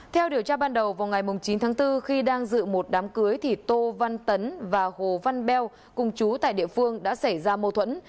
theo điều tra ban đầu vào ngày chín tháng bốn khi đang dự một đám cưới thì tô văn tấn và hồ văn beo cùng chú tại địa phương đã xảy ra mâu thuẫn